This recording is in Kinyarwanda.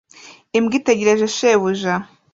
Imbwa itegereje shebuja